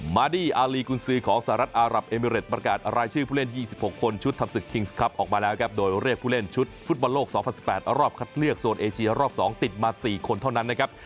มาดี้อารีกุญซือของสหรัฐอารับเอมิเรตประกาศรายชื่อผู้เล่น๒๖คนชุดทำศึกคิงส์ครับออกมาแล้วครับโดยเรียกผู้เล่นชุดฟุตบอลโลก๒๐๑๘รอบคัดเลือกโซนเอเชียรอบ๒ติดมา๔คนเท่านั้นนะครับ